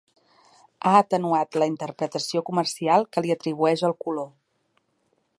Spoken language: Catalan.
Ha atenuat la interpretació comercial que li atribueix el color.